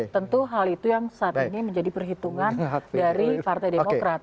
tentu hal itu yang saat ini menjadi perhitungan dari partai demokrat